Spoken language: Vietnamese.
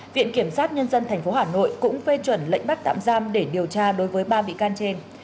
viện kiểm sát nhân dân tp hà nội cũng phê chuẩn lệnh bắt tạm giam để điều tra đối với ba bị can trên